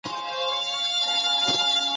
قانونيت د هر سياسي نظام د بقا ضامن دی.